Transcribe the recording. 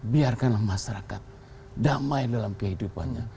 biarkanlah masyarakat damai dalam kehidupannya